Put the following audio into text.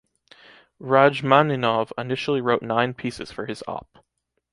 Rajmáninov initially wrote nine pieces for his Op.